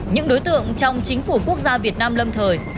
những đối tượng trong chính phủ quốc gia việt nam lâm thời